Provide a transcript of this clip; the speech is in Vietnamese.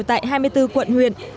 tại hai mươi bốn quốc gia